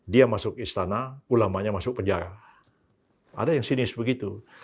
dia masuk istana ulamanya masuk penjara ada yang sinis begitu